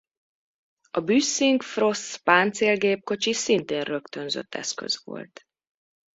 A Büssing-Fross páncélgépkocsi szintén rögtönzött eszköz volt.